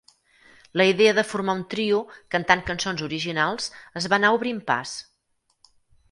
La idea de formar un trio, cantant cançons originals, es va anar obrint pas.